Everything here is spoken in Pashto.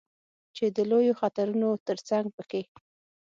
چې د لویو خطرونو ترڅنګ په کې